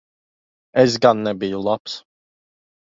Es gan nebiju labs.